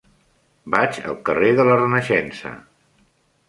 Vaig al carrer de la Renaixença.